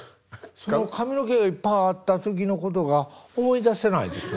その髪の毛いっぱいあった時のことが思い出せないですね。